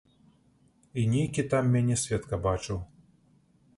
І нейкі там мяне сведка бачыў.